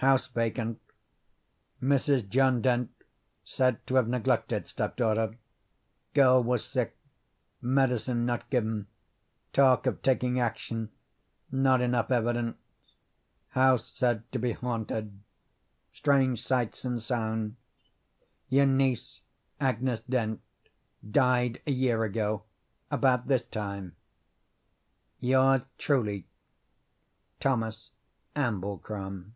House vacant. Mrs. John Dent said to have neglected stepdaughter. Girl was sick. Medicine not given. Talk of taking action. Not enough evidence. House said to be haunted. Strange sights and sounds. Your niece, Agnes Dent, died a year ago, about this time. "Yours truly, "THOMAS AMBLECROM."